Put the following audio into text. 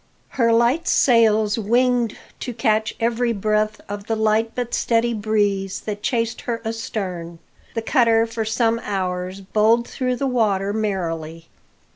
Her light sails winged to catch every breath of the light but steady breeze that chased her astern, the cutter for some hours bowled through the water merrily.